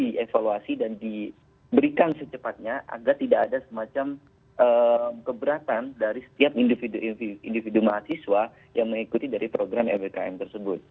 dievaluasi dan diberikan secepatnya agar tidak ada semacam keberatan dari setiap individu individu mahasiswa yang mengikuti dari program fbkm tersebut